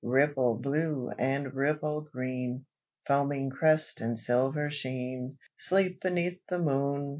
"Ripple blue and ripple green, Foaming crest and silver sheen, Sleep beneath the moon!